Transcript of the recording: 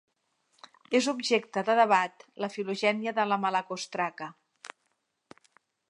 Es objecte de debat la filogènia de la Malacostraca.